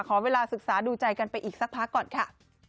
ขอเวลาศึกษาดูใจกันไปอีกสักพักก่อนค่ะ